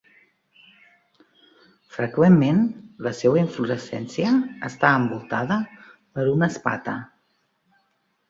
Freqüentment la seua inflorescència està envoltada per una espata.